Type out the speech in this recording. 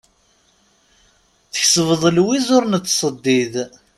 Tkesbeḍ lwiz ur nettseddid.